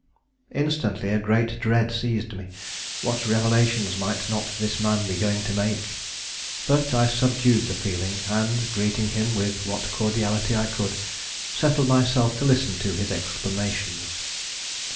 Instantly a great dread seized me. What revelations might not this man be going to make! But I subdued the feeling; and, greeting him with what cordiality I could, settled myself to listen to his explanations.